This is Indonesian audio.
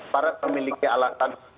aparat memiliki alasan